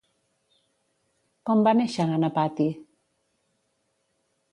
Com va néixer Ganapati?